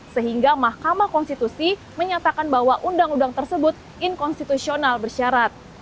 sehingga mahkamah konstitusi menyatakan bahwa undang undang tersebut inkonstitusional bersyarat